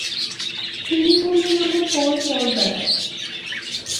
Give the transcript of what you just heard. আর তিনি হলেন আমার পর-পরদাদা।